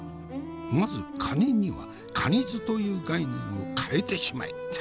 まず蟹には蟹酢という概念を変えてしまえ！